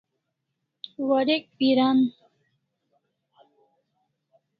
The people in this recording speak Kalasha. Warek piran